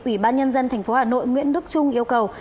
ủy ban nhân dân tp hà nội nguyễn đức trung yêu cầu